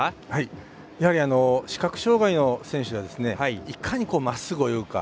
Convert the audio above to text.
やはり視覚障がいの選手はですねいかにまっすぐ泳ぐか。